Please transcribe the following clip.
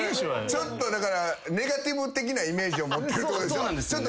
ちょっとネガティブ的なイメージを持ってるってことでしょ？